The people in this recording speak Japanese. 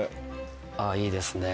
ああいいですね。